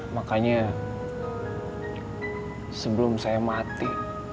makanya sebelum saya mati